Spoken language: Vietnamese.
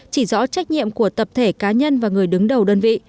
chỉ rõ trách nhiệm của tập thể cá nhân và người đứng đầu đơn vị